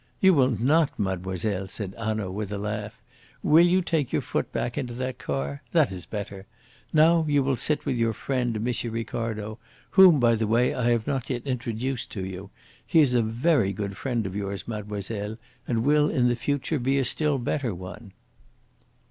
"You will not, mademoiselle," said Hanaud, with a laugh. "Will you take your foot back into that car? That is better. Now you will sit with your friend, M. Ricardo, whom, by the way, I have not yet introduced to you. He is a very good friend of yours, mademoiselle, and will in the future be a still better one."